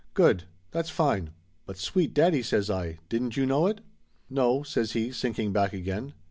"Good! That's fine!" "But sweet daddy!" says I. "Didn't you know it?" "No," says he, sinking back again.